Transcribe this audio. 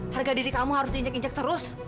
harga diri kamu harus diinjek injek terus